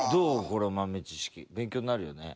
この豆知識勉強になるよね？